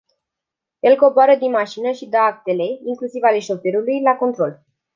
El coboară din mașină și dă actele, inclusiv ale șoferului, la control.